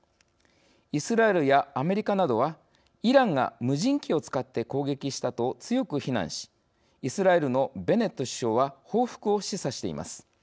イスラエルやアメリカなどは「イランが無人機を使って攻撃した」と強く非難しイスラエルのベネット首相は報復を示唆しています。